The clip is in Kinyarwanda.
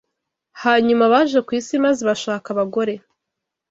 Hanyuma baje ku isi maze bashaka abagore